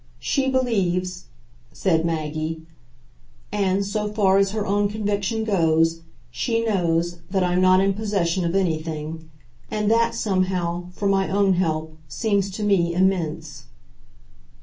She believes," said Maggie, "and, so far as her own conviction goes, she knows, that I'm not in possession of anything. And that, somehow, for my own help seems to me immense."